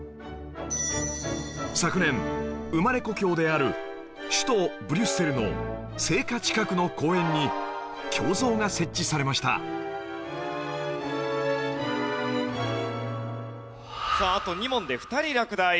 昨年生まれ故郷である首都ブリュッセルの生家近くの公園に胸像が設置されましたさああと２問で２人落第。